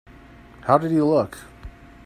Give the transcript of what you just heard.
How did he look?